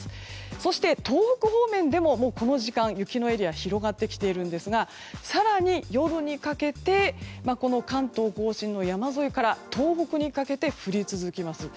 そして、東北方面でもこの時間、雪のエリアが広がってきているんですが更に夜にかけて関東・甲信の山沿いから東北にかけて降り続きます。